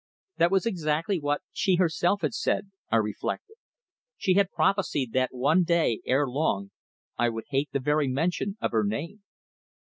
That was exactly what she herself had said, I reflected. She had prophesied that one day, ere long, I would hate the very mention of her name.